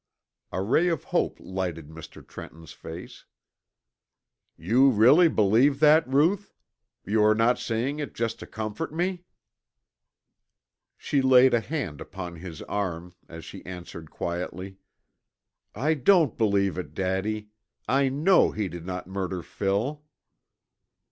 A ray of hope lighted Mr. Trenton's face. "You really believe that, Ruth? You are not saying it just to comfort me?" She laid a hand upon his arm as she answered quietly, "I don't believe it, Daddy. I know he did not murder Phil."